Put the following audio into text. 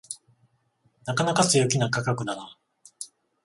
なかなか強気な価格だな